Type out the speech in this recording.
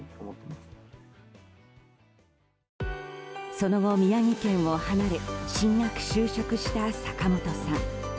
その後、宮城県を離れ進学・就職した坂本さん。